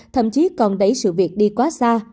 thậm chí còn đẩy sự việc đi quá xa